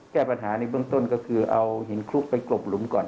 แก้ปัญหาในเบื้องต้นก็คือเอาหินคลุกไปกลบหลุมก่อน